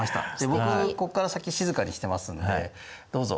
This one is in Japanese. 僕ここから先静かにしてますのでどうぞ。